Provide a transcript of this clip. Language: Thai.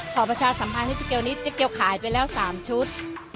ประชาสัมพันธ์ให้เจ๊เกียวนิดเจ๊เกียวขายไปแล้ว๓ชุด